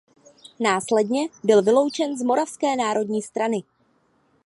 Následně byl vyloučen z Moravské národní strany.